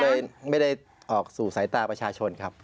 ไม่ได้ออกสู่สายตาประชาชนครับ